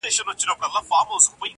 په دقيقه کي مسلسل و دروازې ته راځم,